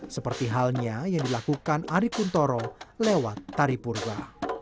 seperti halnya yang dilakukan ari kuntoro lewat tari purba